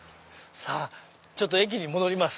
ちょっと駅に戻ります。